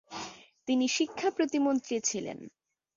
তিনি শিক্ষা প্রতিমন্ত্রী ছিলেন।